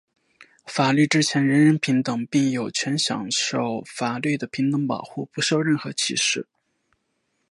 法律之前人人平等,并有权享受法律的平等保护,不受任何歧视。